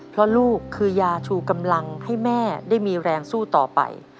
เพราะลูกคือยาชูกำลังให้แม่ได้มีแรงสู้ต่อไป